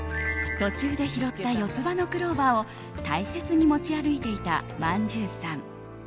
途中で拾った四つ葉のクローバーを大切に持ち歩いていたまんじゅうさん。